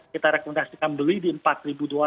kita rekomendasikan beli di rp empat dua ratus